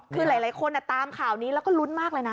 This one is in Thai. คือหลายคนตามข่าวนี้แล้วก็ลุ้นมากเลยนะ